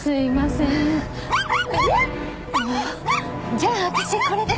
じゃあ私これで。